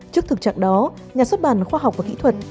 trước thực trạng đó nhà xuất bản khoa học và kỹ thuật